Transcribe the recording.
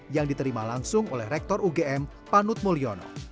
yang diterima langsung oleh rektor ugm panut mulyono